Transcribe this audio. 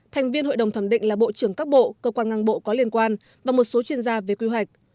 thành viên hội đồng thẩm định là bộ trưởng các bộ cơ quan ngang bộ có liên quan và một số chuyên gia về quy hoạch